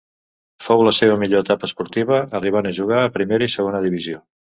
Fou la seva millor etapa esportiva, arribant a jugar a Primera i Segona divisió.